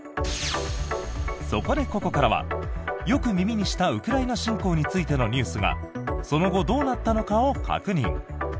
そこで、ここからはよく耳にしたウクライナ侵攻についてのニュースがその後どうなったのかを確認。